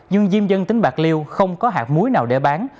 nhưng diêm dân tỉnh bạc liêu không có hạt muối nào để bán